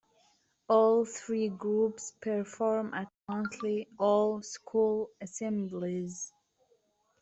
All three groups perform at monthly all-school assemblies.